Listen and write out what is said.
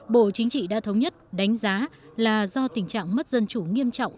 bộ chính trị đã thống nhất đánh giá là do tình trạng mất dân chủ nghiêm trọng